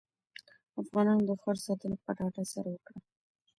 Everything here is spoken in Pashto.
افغانانو د ښار ساتنه په ډاډ سره وکړه.